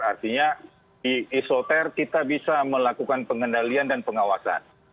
artinya di isoter kita bisa melakukan pengendalian dan pengawasan